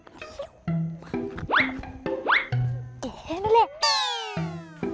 เออทำไมไม่เร็ว